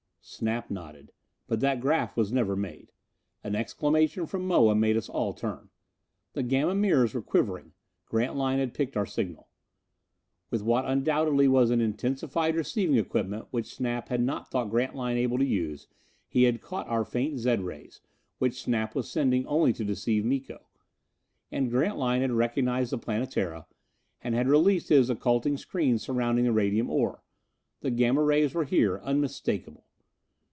Snap nodded. But that 'graph was never made. An exclamation from Moa made us all turn. The Gamma mirrors were quivering! Grantline had picked our signals! With what undoubtedly was an intensified receiving equipment which Snap had not thought Grantline able to use, he had caught our faint zed rays, which Snap was sending only to deceive Miko. And Grantline had recognized the Planetara, and had released his occulting screens surrounding the radium ore. The Gamma rays were here, unmistakable!